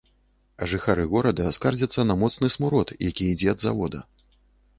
Жыхары горада скардзяцца на моцны смурод, які ідзе ад завода.